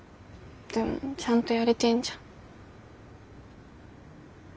でもちゃんとやれてんじゃん。